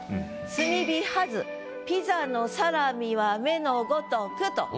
「炭火爆づピザのサラミは目のごとく」と。